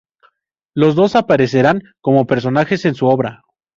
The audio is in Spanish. Los dos aparecerán como personajes en su obra.